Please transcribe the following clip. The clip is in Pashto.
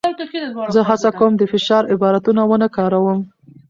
زه هڅه کوم د فشار عبارتونه ونه کاروم.